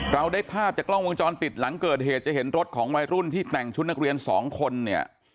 เราได้ภาพจากกล้องวงจรปิดหลังเกิดเหตุจะเห็นรถของวัยรุ่นที่แต่งชุดนักเรียนสองคนเนี่ย